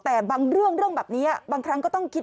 แต่บางเรื่องเรื่องแบบนี้บางครั้งก็ต้องคิด